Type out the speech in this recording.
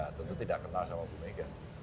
ya tentu tidak kenal sama bu megan